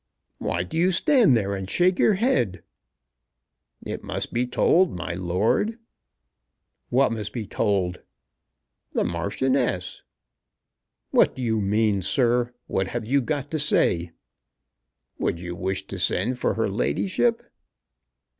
"Why do you stand there and shake your head?" "It must be told, my lord." "What must be told?" "The Marchioness!" "What do you mean, sir? What have you got to say?" "Would you wish to send for her ladyship?"